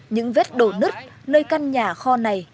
những vết đổ nứt nơi căn nhà khóa